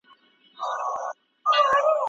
مصرف د خلکو د اړتیاوو پوره کول دي.